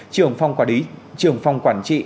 trưởng phòng quản trị